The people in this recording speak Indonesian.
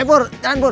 eh bor jangan bor